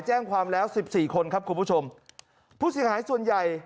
แจ้งความแล้วสิบสี่คนครับคุณผู้ชมผู้เสียหายส่วนใหญ่